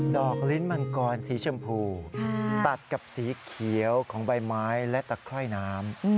ลิ้นมังกรสีชมพูตัดกับสีเขียวของใบไม้และตะไคร่น้ำ